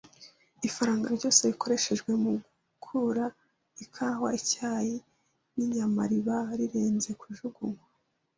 Ifaranga ryose rikoreshejwe mu kugura ikawa, icyayi, n’inyama riba rirenze kujugunywa.